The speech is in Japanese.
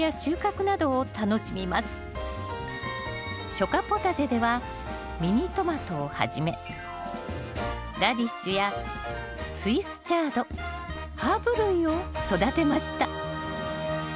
初夏ポタジェではミニトマトをはじめラディッシュやスイスチャードハーブ類を育てました